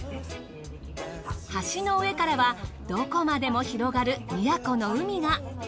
橋の上からはどこまでも広がる宮古の海が。